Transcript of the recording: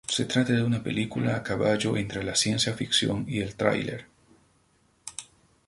Se trata de una película a caballo entre la ciencia ficción y el thriller.